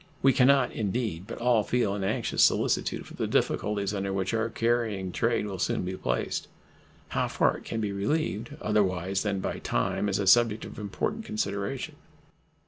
We can not, indeed, but all feel an anxious solicitude for the difficulties under which our carrying trade will soon be placed. How far it can be relieved, otherwise than by time, is a subject of important consideration.